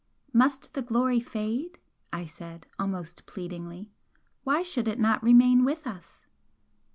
"Must the glory fade?" I said, almost pleadingly "Why should it not remain with us?"